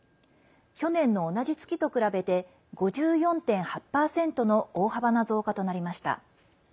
去年の同じ月と比べて５４．８％の大幅な増加となりました。